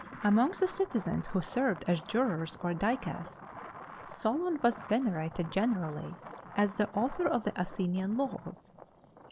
Among the citizens who served as jurors or dicasts, Solon was venerated generally as the author of the Athenian laws.